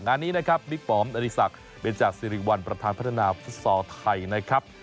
งานนี้นะครับบิ๊กปอมอริสักเบนจาสิริวัลประธานพัฒนาฟุตซอลไทยนะครับ